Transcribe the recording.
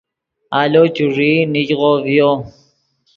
آلو چوݱیئی نیگغو ڤیو